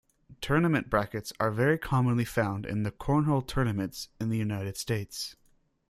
Tournament Brackets are very commonly found in Cornhole tournaments in the United States.